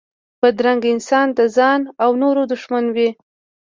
بدرنګه انسان د ځان و نورو دښمن وي